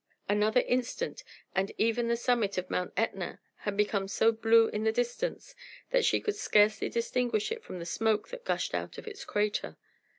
Another instant, and even the summit of Mount Ætna had become so blue in the distance that she could scarcely distinguish it from the smoke that gushed out of its crater.